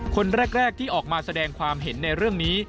คนแรกที่ออกมาแสดงความเห็นในเรื่องนี้